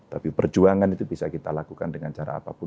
tapi perjuangan itu bisa kita lakukan dengan cara apapun